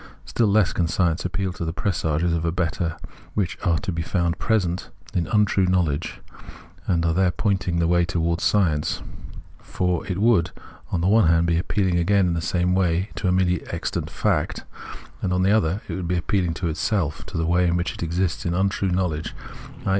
Still less can science appeal to the presages of a better, which are to be found present in untrue knowledge and are there pointing the way towards science ; for it would, on the one hand, be appealing again in the same way to a merely existent fact ; and, on the other, it would be appealing to itself, to the way in which it exists in untrue knowledge, i.